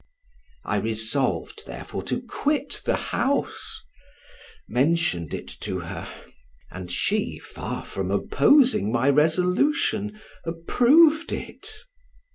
I resolved, therefore, to quit the house, mentioned it to her, and she, far from opposing my resolution, approved it.